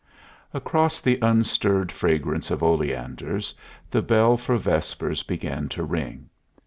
Across the unstirred fragrance of oleanders the bell for vespers began to ring.